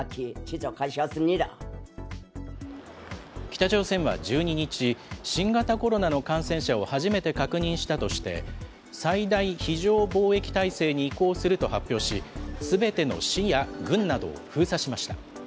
北朝鮮は１２日、新型コロナの感染者を初めて確認したとして、最大非常防疫態勢に移行すると発表し、すべての市や郡などを封鎖しました。